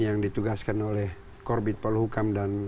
yang ditugaskan oleh korbit polhukam dan